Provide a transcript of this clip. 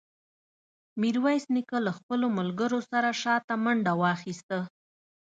ميرويس نيکه له خپلو ملګرو سره شاته منډه واخيسته.